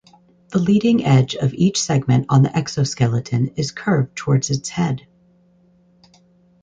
The leading edge of each segment on the exoskeleton is curved towards its head.